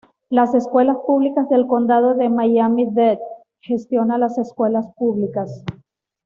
Las Escuelas Públicas del Condado de Miami-Dade gestiona las escuelas públicas.